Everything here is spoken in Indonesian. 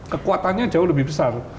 kekuatannya jauh lebih besar